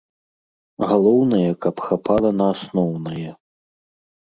Галоўнае, каб хапала на асноўнае.